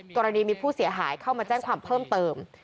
กรณีมีผู้เสียหายเข้ามาแจ้งความเพิ่มเติม